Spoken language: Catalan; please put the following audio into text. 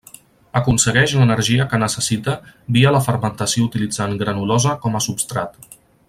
Aconsegueix l'energia que necessita via la fermentació utilitzant granulosa com a substrat.